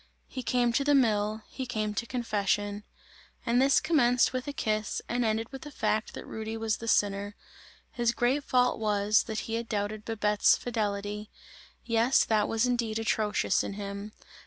He came to the mill, he came to confession; and this commenced with a kiss, and ended with the fact that Rudy was the sinner; his great fault was, that he had doubted Babette's fidelity; yes, that was indeed atrocious in him!